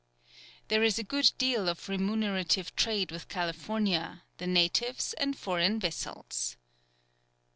There is a good deal of remunerative trade with California, the natives, and foreign vessels.